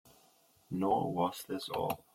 Nor was this all.